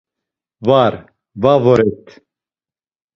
Var, va voret.